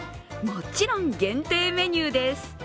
もちろん限定メニューです。